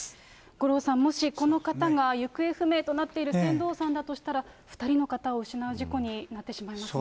五郎さん、もしこの方が行方不明となっている船頭さんだとしたら、２人の方を失う事故になってしまいますね。